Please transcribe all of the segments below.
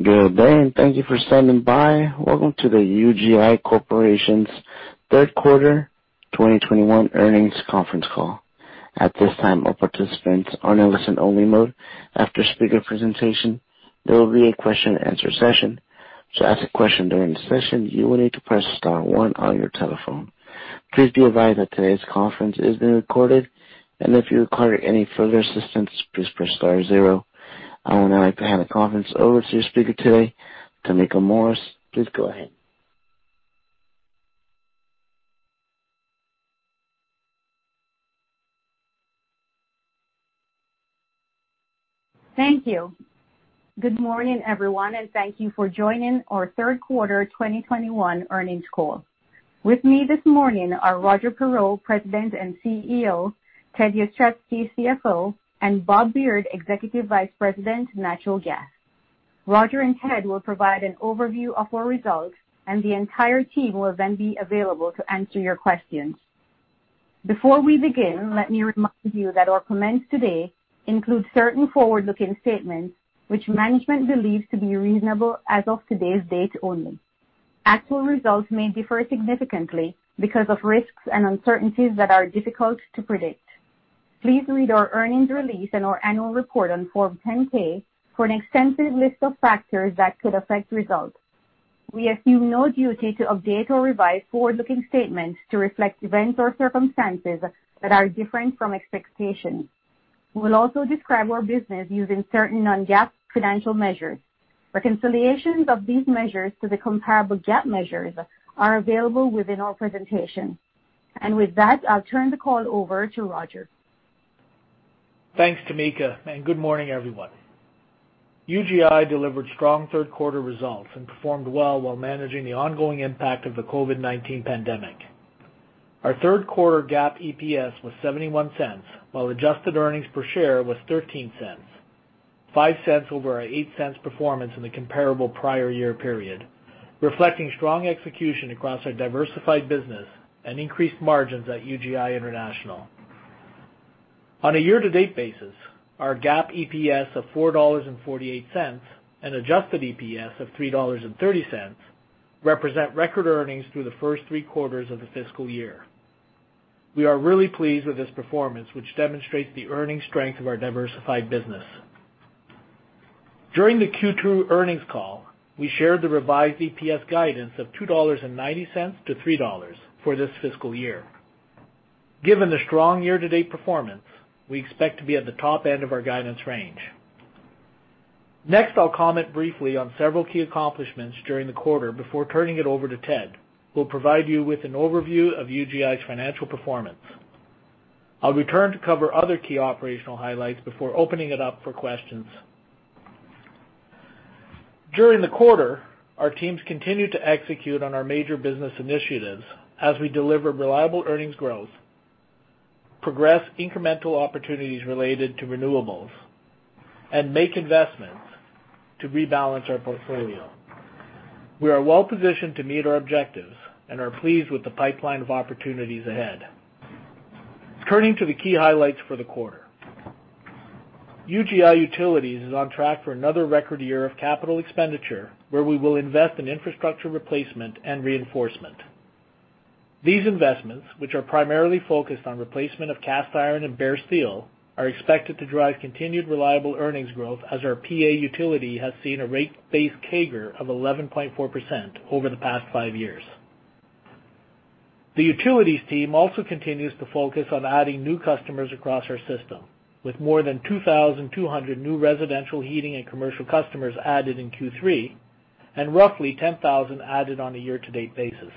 Good day. Thank you for standing by. Welcome to the UGI Corporation's third quarter 2021 earnings conference call. At this time, all participants are in listen only mode. After speaker presentation, there will be a question and answer session. To ask a question during the session, you will need to press star one on your telephone. Please be advised that today's conference is being recorded, and if you require any further assistance, please press star zero. I would now like to hand the conference over to your speaker today, Tameka Morris. Please go ahead. Thank you. Good morning, everyone, and thank you for joining our third quarter 2021 earnings call. With me this morning are Roger Perreault, President and Chief Executive Officer, Ted Jastrzebski, Chief Financial Officer, and Bob Beard, Executive Vice President, Natural Gas. Roger and Ted will provide an overview of our results, and the entire team will then be available to answer your questions. Before we begin, let me remind you that our comments today include certain forward-looking statements which management believes to be reasonable as of today's date only. Actual results may differ significantly because of risks and uncertainties that are difficult to predict. Please read our earnings release and our annual report on Form 10-K for an extensive list of factors that could affect results. We assume no duty to update or revise forward-looking statements to reflect events or circumstances that are different from expectations. We will also describe our business using certain non-GAAP financial measures. Reconciliations of these measures to the comparable GAAP measures are available within our presentation. With that, I'll turn the call over to Roger. Thanks, Tameka, and good morning, everyone. UGI delivered strong third quarter results and performed well while managing the ongoing impact of the COVID-19 pandemic. Our third quarter GAAP EPS was $0.71, while adjusted earnings per share was $0.13, $0.05 over our $0.08 performance in the comparable prior year period, reflecting strong execution across our diversified business and increased margins at UGI International. On a year-to-date basis, our GAAP EPS of $4.48 and adjusted EPS of $3.30 represent record earnings through the first three quarters of the fiscal year. We are really pleased with this performance, which demonstrates the earnings strength of our diversified business. During the Q2 earnings call, we shared the revised EPS guidance of $2.90-$3 for this fiscal year. Given the strong year-to-date performance, we expect to be at the top end of our guidance range. Next, I'll comment briefly on several key accomplishments during the quarter before turning it over to Ted, who will provide you with an overview of UGI's financial performance. I'll return to cover other key operational highlights before opening it up for questions. During the quarter, our teams continued to execute on our major business initiatives as we deliver reliable earnings growth, progress incremental opportunities related to renewables, and make investments to rebalance our portfolio. We are well-positioned to meet our objectives and are pleased with the pipeline of opportunities ahead. Turning to the key highlights for the quarter. UGI Utilities is on track for another record year of capital expenditure, where we will invest in infrastructure replacement and reinforcement. These investments, which are primarily focused on replacement of cast iron and bare steel, are expected to drive continued reliable earnings growth as our PA utility has seen a rate base CAGR of 11.4% over the past five years. The utilities team also continues to focus on adding new customers across our system, with more than 2,200 new residential, heating, and commercial customers added in Q3 and roughly 10,000 added on a year-to-date basis.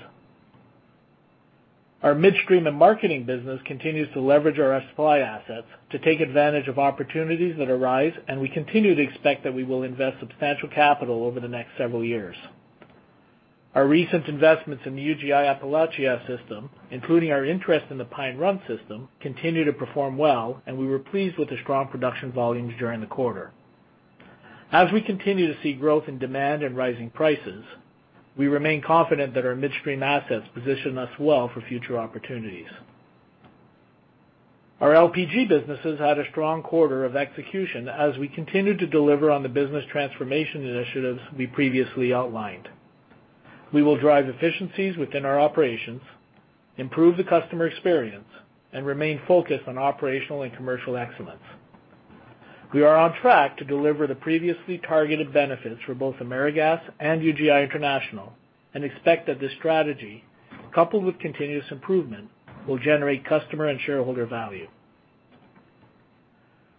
Our Midstream and Marketing business continues to leverage our supply assets to take advantage of opportunities that arise. We continue to expect that we will invest substantial capital over the next several years. Our recent investments in the UGI Appalachia system, including our interest in the Pine Run system, continue to perform well. We were pleased with the strong production volumes during the quarter. As we continue to see growth in demand and rising prices, we remain confident that our midstream assets position us well for future opportunities. Our LPG businesses had a strong quarter of execution as we continued to deliver on the business transformation initiatives we previously outlined. We will drive efficiencies within our operations, improve the customer experience, and remain focused on operational and commercial excellence. We are on track to deliver the previously targeted benefits for both AmeriGas and UGI International and expect that this strategy, coupled with continuous improvement, will generate customer and shareholder value.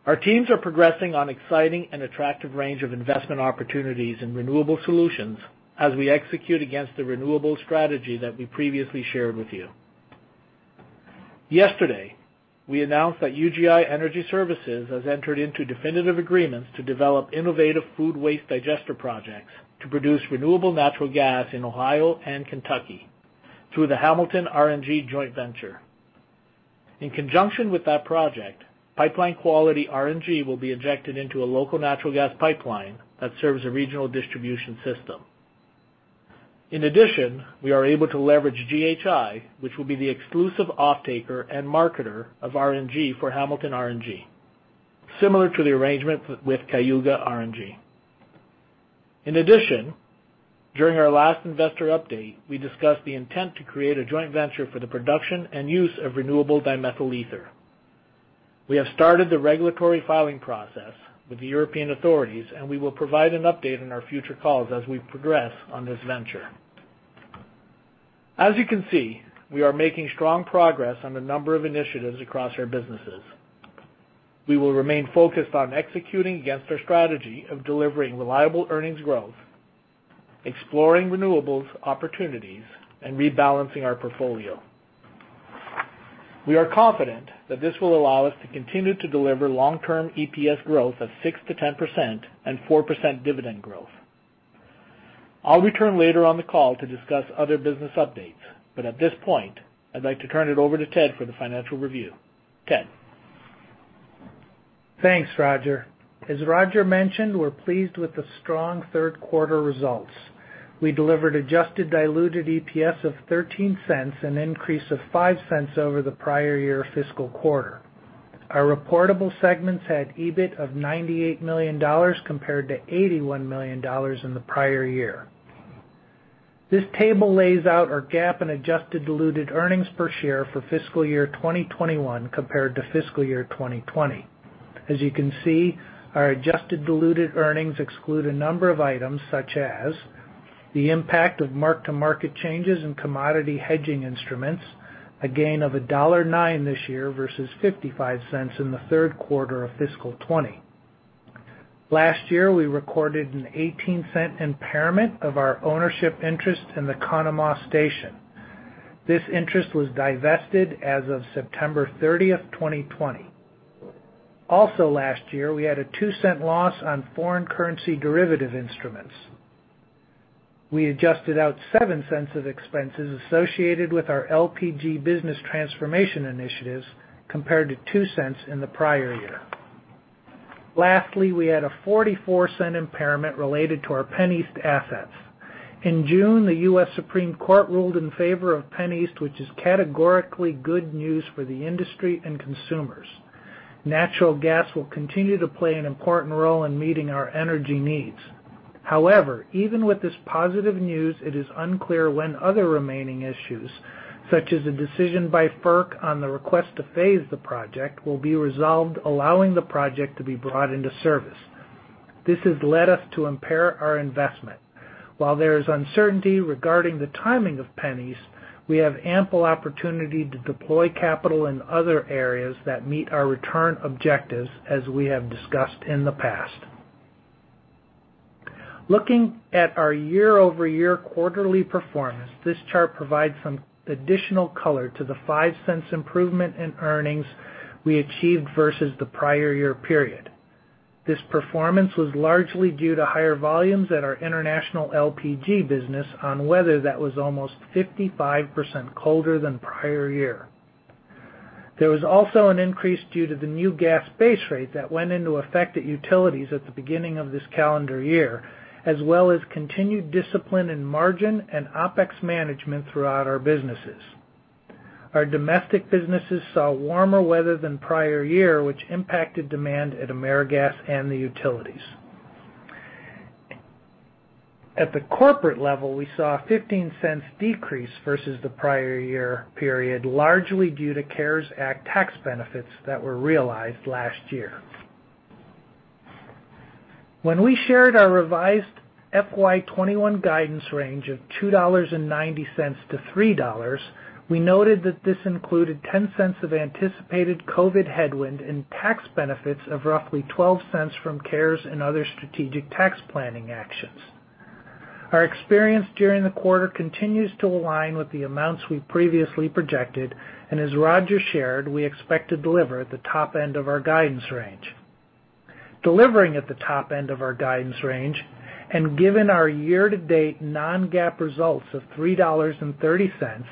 Our teams are progressing on exciting and attractive range of investment opportunities in renewable solutions as we execute against the renewable strategy that we previously shared with you. Yesterday, we announced that UGI Energy Services has entered into definitive agreements to develop innovative food waste digester projects to produce renewable natural gas in Ohio and Kentucky through the Hamilton RNG joint venture. In conjunction with that project, pipeline-quality RNG will be injected into a local natural gas pipeline that serves a regional distribution system. We are able to leverage GHI, which will be the exclusive offtaker and marketer of RNG for Hamilton RNG, similar to the arrangement with Cayuga RNG. During our last investor update, we discussed the intent to create a joint venture for the production and use of renewable dimethyl ether. We have started the regulatory filing process with the European authorities, and we will provide an update on our future calls as we progress on this venture. As you can see, we are making strong progress on a number of initiatives across our businesses. We will remain focused on executing against our strategy of delivering reliable earnings growth, exploring renewables opportunities, and rebalancing our portfolio. We are confident that this will allow us to continue to deliver long-term EPS growth of 6%-10% and 4% dividend growth. I'll return later on the call to discuss other business updates, but at this point, I'd like to turn it over to Ted for the financial review. Ted? Thanks, Roger. As Roger mentioned, we're pleased with the strong third quarter results. We delivered adjusted diluted EPS of $0.13, an increase of $0.05 over the prior year fiscal quarter. Our reportable segments had EBIT of $98 million compared to $81 million in the prior year. This table lays out our GAAP and adjusted diluted earnings per share for fiscal year 2021 compared to fiscal year 2020. As you can see, our adjusted diluted earnings exclude a number of items, such as the impact of mark-to-market changes in commodity hedging instruments, a gain of $1.09 this year versus $0.55 in the third quarter of fiscal 2020. Last year, we recorded an $0.18 impairment of our ownership interest in the Conemaugh Station. This interest was divested as of September 30th, 2020. Also last year, we had a $0.02 loss on foreign currency derivative instruments. We adjusted out $0.07 of expenses associated with our LPG business transformation initiatives, compared to $0.02 in the prior year. Lastly, we had a $0.44 impairment related to our PennEast assets. In June, the U.S. Supreme Court ruled in favor of PennEast, which is categorically good news for the industry and consumers. Natural gas will continue to play an important role in meeting our energy needs. However, even with this positive news, it is unclear when other remaining issues, such as a decision by FERC on the request to phase the project, will be resolved, allowing the project to be brought into service. This has led us to impair our investment. While there is uncertainty regarding the timing of PennEast, we have ample opportunity to deploy capital in other areas that meet our return objectives, as we have discussed in the past. Looking at our year-over-year quarterly performance, this chart provides some additional color to the $0.05 improvement in earnings we achieved versus the prior year period. This performance was largely due to higher volumes at our international LPG business on weather that was almost 55% colder than prior year. There was also an increase due to the new gas base rate that went into effect at utilities at the beginning of this calendar year, as well as continued discipline in margin and OPEX management throughout our businesses. Our domestic businesses saw warmer weather than prior year, which impacted demand at AmeriGas and the utilities. At the corporate level, we saw a $0.15 decrease versus the prior year period, largely due to CARES Act tax benefits that were realized last year. When we shared our revised FY21 guidance range of $2.90-$3, we noted that this included $0.10 of anticipated COVID headwind and tax benefits of roughly $0.12 from CARES and other strategic tax planning actions. Our experience during the quarter continues to align with the amounts we previously projected, and as Roger shared, we expect to deliver at the top end of our guidance range. Delivering at the top end of our guidance range, and given our year-to-date non-GAAP results of $3.30,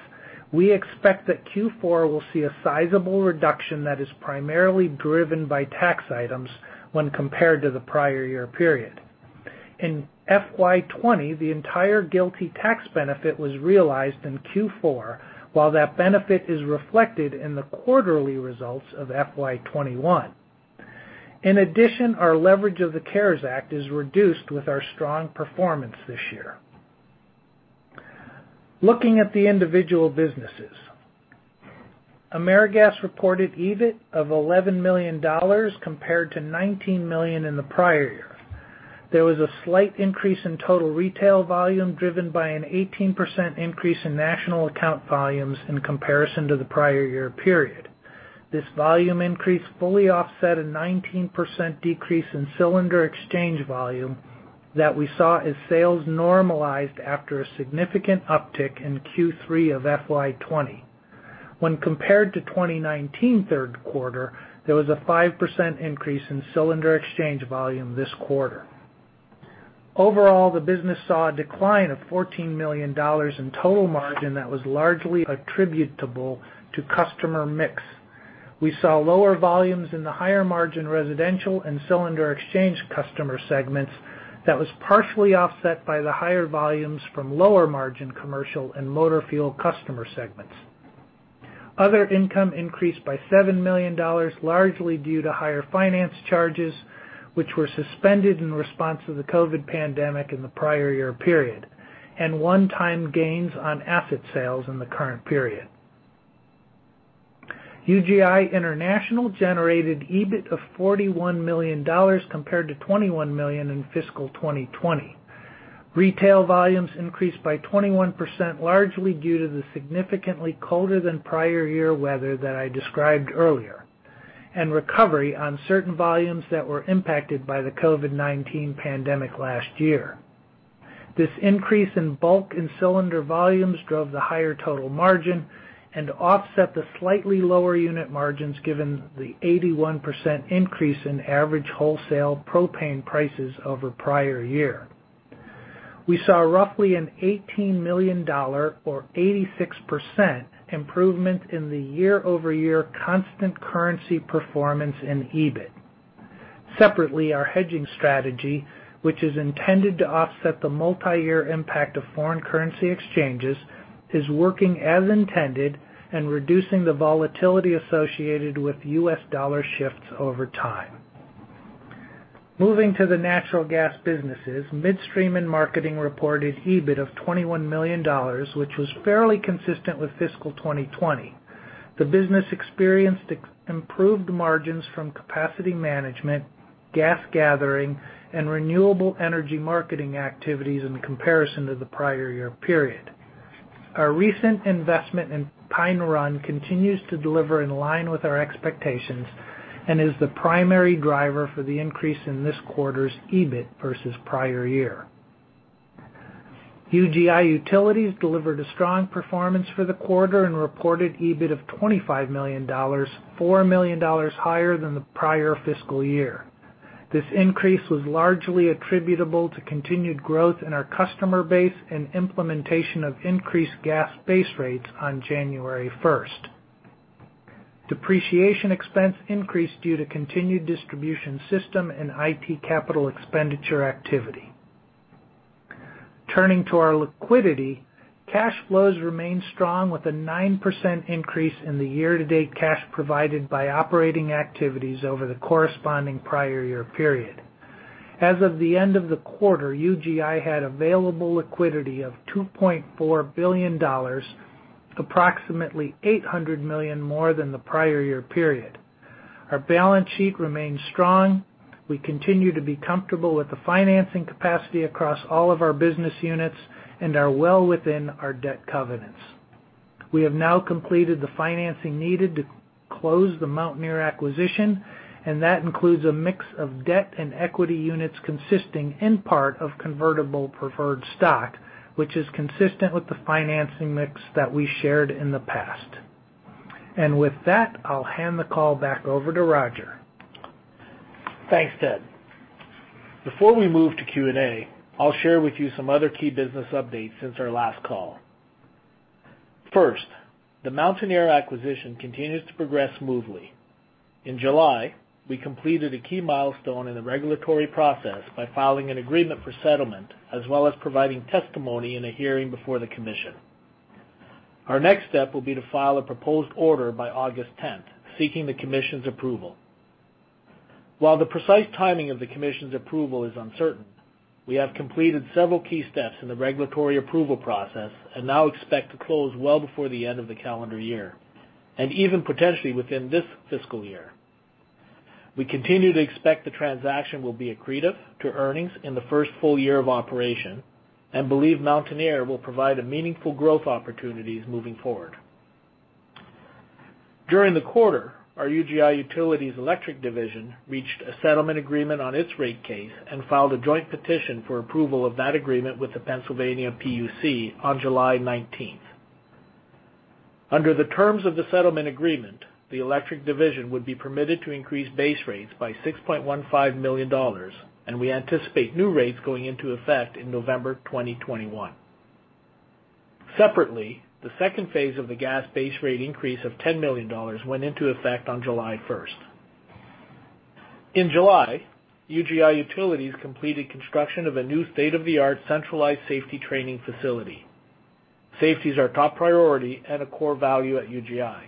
we expect that Q4 will see a sizable reduction that is primarily driven by tax items when compared to the prior year period. In FY20, the entire GILTI tax benefit was realized in Q4, while that benefit is reflected in the quarterly results of FY21. In addition, our leverage of the CARES Act is reduced with our strong performance this year. Looking at the individual businesses. AmeriGas reported EBIT of $11 million, compared to $19 million in the prior year. There was a slight increase in total retail volume, driven by an 18% increase in national account volumes in comparison to the prior year period. This volume increase fully offset a 19% decrease in cylinder exchange volume that we saw as sales normalized after a significant uptick in Q3 of FY20. When compared to 2019 third quarter, there was a 5% increase in cylinder exchange volume this quarter. Overall, the business saw a decline of $14 million in total margin that was largely attributable to customer mix. We saw lower volumes in the higher margin residential and cylinder exchange customer segments that was partially offset by the higher volumes from lower margin commercial and motor fuel customer segments. Other income increased by $7 million, largely due to higher finance charges, which were suspended in response to the COVID pandemic in the prior year period, and one-time gains on asset sales in the current period. UGI International generated EBIT of $41 million compared to $21 million in fiscal 2020. Retail volumes increased by 21%, largely due to the significantly colder than prior year weather that I described earlier, and recovery on certain volumes that were impacted by the COVID-19 pandemic last year. This increase in bulk and cylinder volumes drove the higher total margin and offset the slightly lower unit margins, given the 81% increase in average wholesale propane prices over prior year. We saw roughly an $18 million, or 86%, improvement in the year-over-year constant currency performance in EBIT. Separately, our hedging strategy, which is intended to offset the multi-year impact of foreign currency exchanges, is working as intended and reducing the volatility associated with US dollar shifts over time. Moving to the natural gas businesses, Midstream and Marketing reported EBIT of $21 million, which was fairly consistent with fiscal 2020. The business experienced improved margins from capacity management, gas gathering, and renewable energy marketing activities in comparison to the prior year period. Our recent investment in Pine Run continues to deliver in line with our expectations and is the primary driver for the increase in this quarter's EBIT versus prior year. UGI Utilities delivered a strong performance for the quarter and reported EBIT of $25 million, $4 million higher than the prior fiscal year. This increase was largely attributable to continued growth in our customer base and implementation of increased gas base rates on January 1st. Depreciation expense increased due to continued distribution system and IT capital expenditure activity. Turning to our liquidity, cash flows remain strong with a 9% increase in the year-to-date cash provided by operating activities over the corresponding prior year period. As of the end of the quarter, UGI had available liquidity of $2.4 billion, approximately $800 million more than the prior year period. Our balance sheet remains strong. We continue to be comfortable with the financing capacity across all of our business units and are well within our debt covenants. We have now completed the financing needed to close the Mountaineer acquisition, that includes a mix of debt and equity units consisting in part of convertible preferred stock, which is consistent with the financing mix that we shared in the past. With that, I'll hand the call back over to Roger. Thanks, Ted. Before we move to Q&A, I'll share with you some other key business updates since our last call. First, the Mountaineer acquisition continues to progress smoothly. In July, we completed a key milestone in the regulatory process by filing an agreement for settlement, as well as providing testimony in a hearing before the commission. Our next step will be to file a proposed order by August 10th, seeking the commission's approval. While the precise timing of the commission's approval is uncertain, we have completed several key steps in the regulatory approval process and now expect to close well before the end of the calendar year, and even potentially within this fiscal year. We continue to expect the transaction will be accretive to earnings in the first full year of operation and believe Mountaineer will provide meaningful growth opportunities moving forward. During the quarter, our UGI Utilities Electric division reached a settlement agreement on its rate case and filed a joint petition for approval of that agreement with the Pennsylvania PUC on July 19th. Under the terms of the settlement agreement, the electric division would be permitted to increase base rates by $6.15 million, and we anticipate new rates going into effect in November 2021. Separately, the second phase of the gas base rate increase of $10 million went into effect on July 1st. In July, UGI Utilities completed construction of a new state-of-the-art centralized safety training facility. Safety is our top priority and a core value at UGI.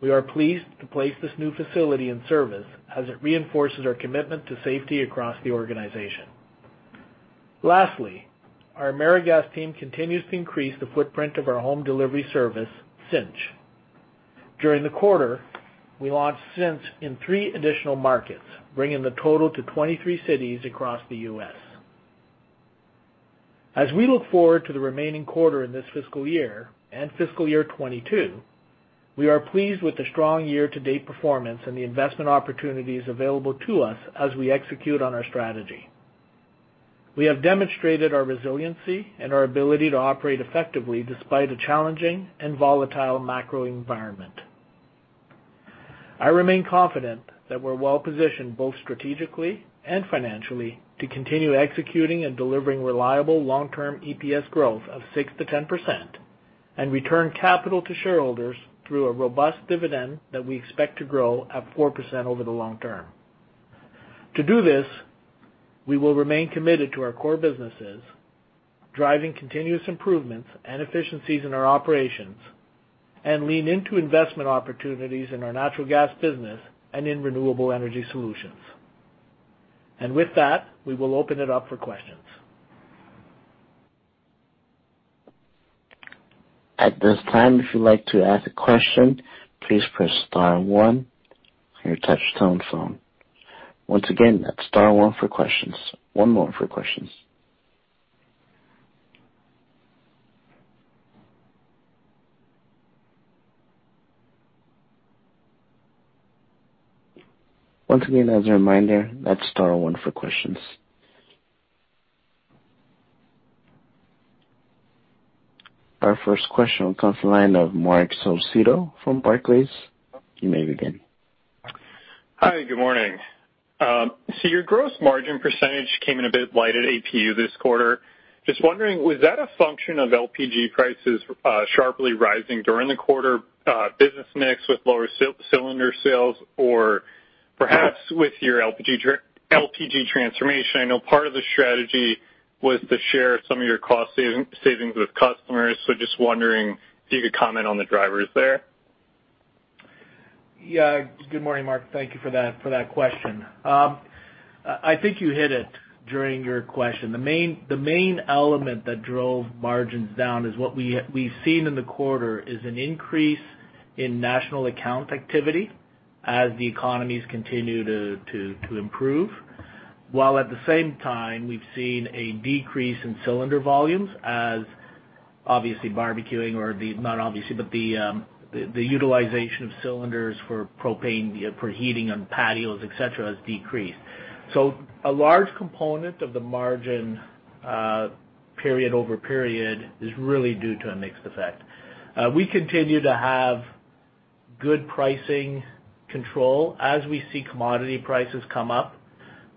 We are pleased to place this new facility in service as it reinforces our commitment to safety across the organization. Lastly, our AmeriGas team continues to increase the footprint of our home delivery service, Cynch. During the quarter, we launched Cynch in three additional markets, bringing the total to 23 cities across the U.S.. As we look forward to the remaining quarter in this fiscal year and fiscal year 2022, we are pleased with the strong year-to-date performance and the investment opportunities available to us as we execute on our strategy. We have demonstrated our resiliency and our ability to operate effectively despite a challenging and volatile macro environment. I remain confident that we're well-positioned, both strategically and financially, to continue executing and delivering reliable long-term EPS growth of 6% to 10% and return capital to shareholders through a robust dividend that we expect to grow at 4% over the long term. To do this, we will remain committed to our core businesses, driving continuous improvements and efficiencies in our operations, and lean into investment opportunities in our natural gas business and in renewable energy solutions. With that, we will open it up for questions. At this time, if you'd like to ask a question, please press star one on your touch-tone phone. Once again, that's star one for questions. One more for questions. Once again, as a reminder, that's star one for questions. Our first question comes from the line of Marc Solecitto from Barclays. You may begin. Hi, good morning. Your gross margin % came in a bit light at AmeriGas this quarter. Just wondering, was that a function of LPG prices sharply rising during the quarter, business mix with lower cylinder sales or perhaps with your LPG transformation? I know part of the strategy was to share some of your cost savings with customers. Just wondering if you could comment on the drivers there. Yeah. Good morning, Marc. Thank you for that question. I think you hit it during your question. The main element that drove margins down is what we've seen in the quarter is an increase in national account activity as the economies continue to improve, while at the same time, we've seen a decrease in cylinder volumes as obviously barbecuing or not obviously, but the utilization of cylinders for propane, for heating on patios, et cetera, has decreased. A large component of the margin period-over-period is really due to a mixed effect. We continue to have good pricing control. As we see commodity prices come up,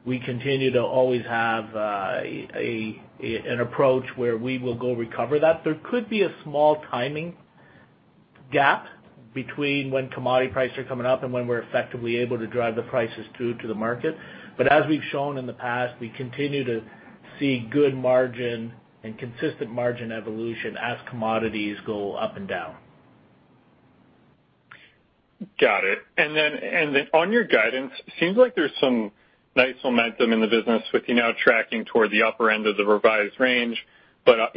we continue to always have an approach where we will go recover that. There could be a small timing gap between when commodity prices are coming up and when we're effectively able to drive the prices through to the market. As we've shown in the past, we continue to see good margin and consistent margin evolution as commodities go up and down. Got it. On your guidance, seems like there's some nice momentum in the business with you now tracking toward the upper end of the revised range.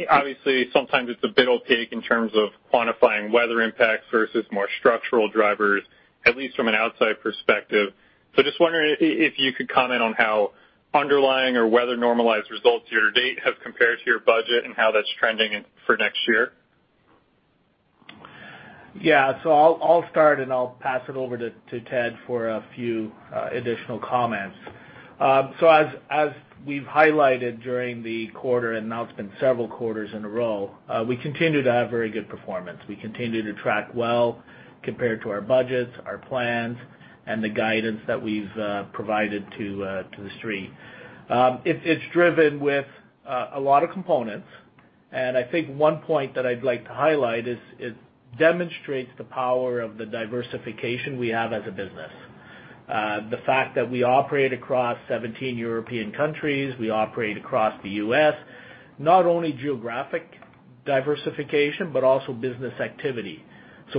Obviously sometimes it's a bit of take in terms of quantifying weather impacts versus more structural drivers, at least from an outside perspective. Just wondering if you could comment on how underlying or weather normalized results year to date have compared to your budget and how that's trending for next year? Yeah. I'll start, and I'll pass it over to Ted for a few additional comments. As we've highlighted during the quarter, and now it's been several quarters in a row, we continue to have very good performance. We continue to track well compared to our budgets, our plans, and the guidance that we've provided to the street. It's driven with a lot of components, and I think one point that I'd like to highlight is it demonstrates the power of the diversification we have as a business. The fact that we operate across 17 European countries, we operate across the U.S., not only geographic diversification, but also business activity.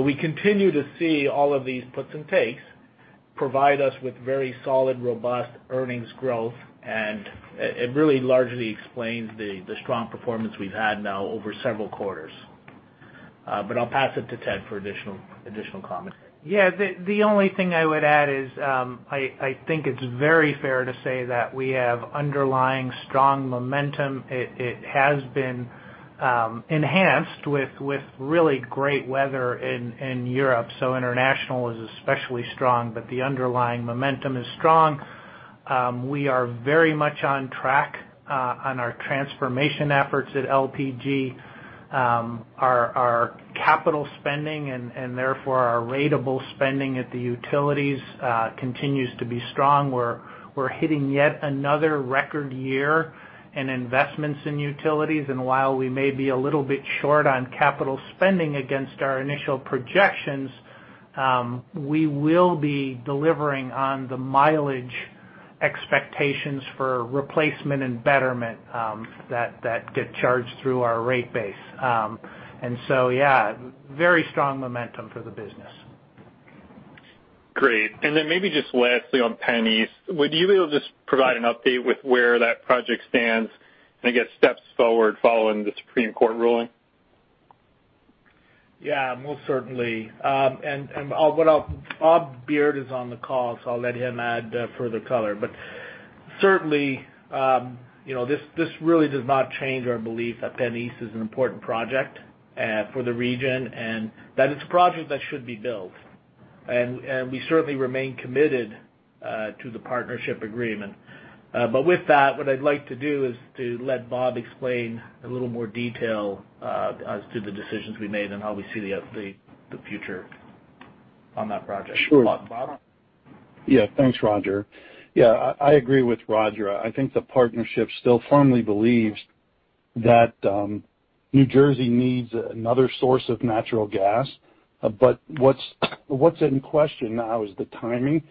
We continue to see all of these puts and takes provide us with very solid, robust earnings growth, and it really largely explains the strong performance we've had now over several quarters. I'll pass it to Ted for additional commentary. Yeah. The only thing I would add is, I think it's very fair to say that we have underlying strong momentum. It has been enhanced with really great weather in Europe. International is especially strong, but the underlying momentum is strong. We are very much on track on our transformation efforts at LPG. Our capital spending and therefore our ratable spending at the Utilities continues to be strong. We're hitting yet another record year in investments in Utilities. While we may be a little bit short on capital spending against our initial projections, we will be delivering on the mileage expectations for replacement and betterment that get charged through our rate base. Yeah, very strong momentum for the business. Great. Maybe just lastly on PennEast, would you be able to just provide an update with where that project stands and, I guess, steps forward following the Supreme Court ruling? Yeah, most certainly. Bob Beard is on the call, so I'll let him add further color. Certainly, this really does not change our belief that PennEast is an important project for the region, and that it's a project that should be built. We certainly remain committed to the partnership agreement. With that, what I'd like to do is to let Bob explain a little more detail as to the decisions we made and how we see the future on that project. Sure. Bob? Yeah. Thanks, Roger. Yeah, I agree with Roger. I think the partnership still firmly believes that New Jersey needs another source of natural gas. What's in question now is the timing.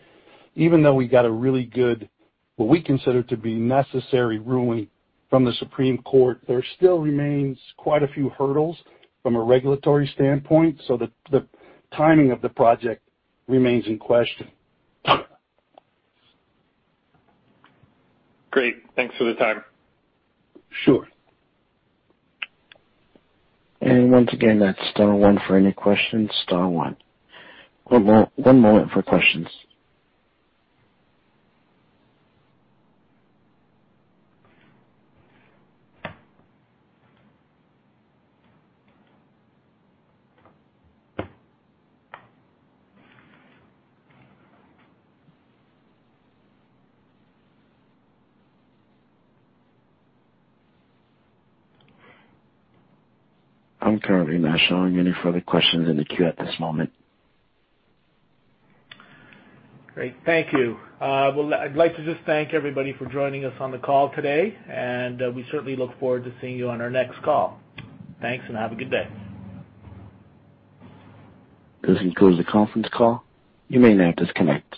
Even though we got a really good, what we consider to be necessary ruling from the Supreme Court, there still remains quite a few hurdles from a regulatory standpoint. The timing of the project remains in question. Great. Thanks for the time. Sure. Once again, that's star one for any questions, star one. One moment for questions. I'm currently not showing any further questions in the queue at this moment. Great. Thank you. I'd like to just thank everybody for joining us on the call today, and we certainly look forward to seeing you on our next call. Thanks and have a good day. This concludes the conference call. You may now disconnect.